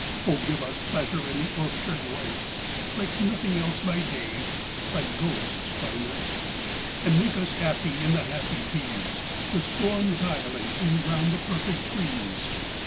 Oh, give us pleasure in the orchard white, Like nothing else by day, like ghosts by night; And make us happy in the happy bees, The swarm dilating round the perfect trees.